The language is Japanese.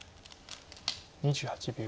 ２８秒。